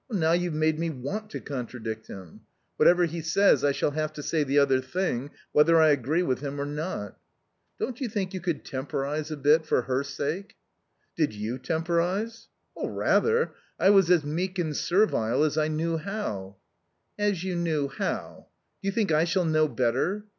"Now you've made me want to contradict him. Whatever he says I shall have to say the other thing whether I agree with him or not." "Don't you think you could temporize a bit? For her sake." "Did you temporize?" "Rather. I was as meek and servile as I knew how." "As you knew how. Do you think I shall know better?"